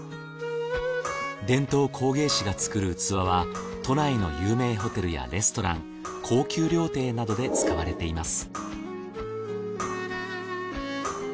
伝統工芸士が作る器は都内の有名ホテルやレストラン高級料亭などで使われています。